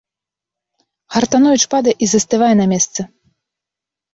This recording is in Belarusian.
Хартановіч падае і застывае на месцы.